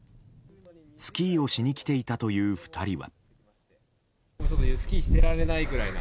スキーをしに来ていたという２人は。